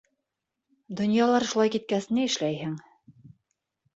Донъялар шулай киткәс, ни эшләйһең.